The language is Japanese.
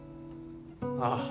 ああ。